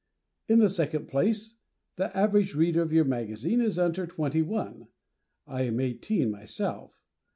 In the second place, the average Reader of your magazine is under twenty one (I am eighteen myself).